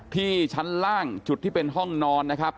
ที่ชั้นล่างจุดที่เป็นห้องนอนนะครับ